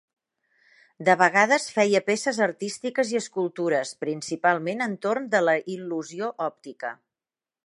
De vegades feia peces artístiques i escultures, principalment entorn de la il·lusió òptica.